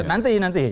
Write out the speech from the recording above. belum nanti nanti